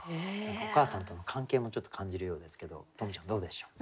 お母さんとの関係もちょっと感じるようですけど十夢ちゃんどうでしょう？